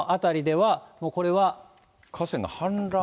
河川が氾濫？